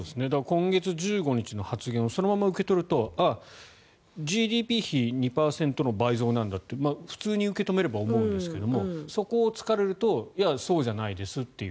今月１５日の発言をそのまま受け取るとあ、ＧＤＰ比２％の倍増なんだって普通に受け止めれば思うんですがそこを突かれるといや、そうじゃないですって。